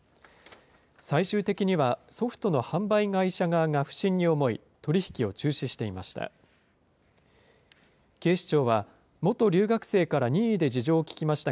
最終的には、ソフトの販売会社側が不審に思い、取り引きを中止していました。